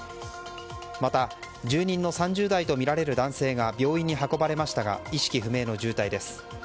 また、住人の３０代とみられる男性が病院に運ばれましたが意識不明の重体です。